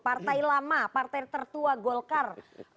partai lama partai tertua golkar